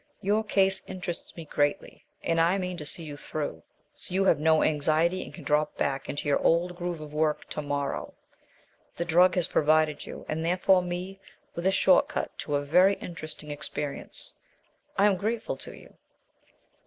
Your case interests me greatly, and I mean to see you through, so you have no anxiety, and can drop back into your old groove of work tomorrow! The drug has provided you, and therefore me, with a short cut to a very interesting experience. I am grateful to you."